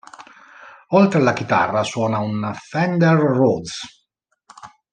Oltre alla chitarra suona un Fender Rhodes.